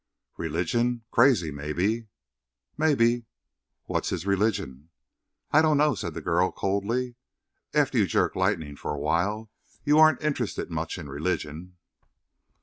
"Religion? Crazy, maybe." "Maybe." "What's his religion?" "I don't know," said the girl coldly. "After you jerk lightning for a while, you aren't interested much in religion."